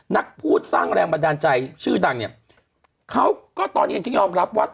นักพูดสร้างแรงบันดาลใจชื่อดังเนี่ยเขาก็ตอนนี้เองที่ยอมรับว่า